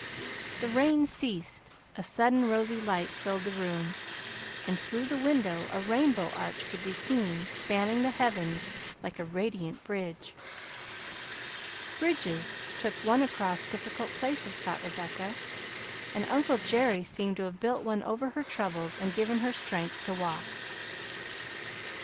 The rain ceased, a sudden rosy light filled the room, and through the window a rainbow arch could be seen spanning the heavens like a radiant bridge. Bridges took one across difficult places, thought Rebecca, and uncle Jerry seemed to have built one over her troubles and given her strength to walk.